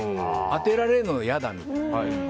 当てられるのが嫌だみたいな。